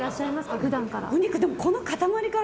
普段から。